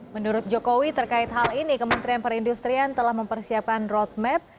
menurut jokowi terkait hal ini kementerian perindustrian telah mempersiapkan roadmap